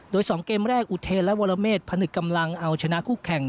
โดย๒เกมแรกอุเทนและวรเมฆผนึกกำลังเอาชนะคู่แข่ง